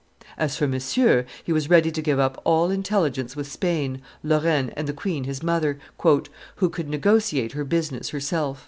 ] As for Monsieur, he was ready to give up all intelligence with Spain, Lorraine, and the queen his mother, "who could negotiate her business herself."